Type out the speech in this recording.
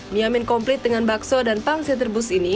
mie mien komplit dengan bakso dan pangsi terbus ini